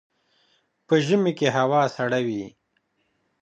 په ژمي کې هوا سړه وي